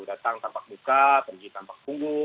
datang tampak buka pergi tampak tunggu